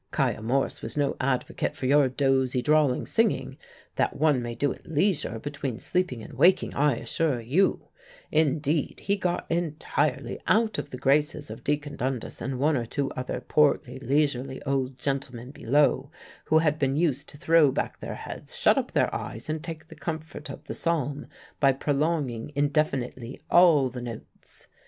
'Kiah Morse was no advocate for your dozy, drawling singing, that one may do at leisure, between sleeping and waking, I assure you; indeed, he got entirely out of the graces of Deacon Dundas and one or two other portly, leisurely old gentlemen below, who had been used to throw back their heads, shut up their eyes, and take the comfort of the psalm, by prolonging indefinitely all the notes.